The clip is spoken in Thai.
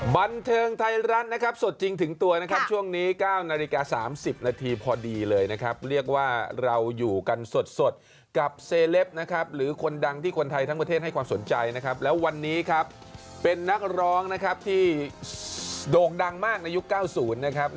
บันเทิงไทยรัฐนะครับสดจริงถึงตัวนะครับช่วงนี้๙นาฬิกา๓๐นาทีพอดีเลยนะครับเรียกว่าเราอยู่กันสดกับเซเลปนะครับหรือคนดังที่คนไทยทั้งประเทศให้ความสนใจนะครับแล้ววันนี้ครับเป็นนักร้องนะครับที่โด่งดังมากในยุค๙๐นะครับ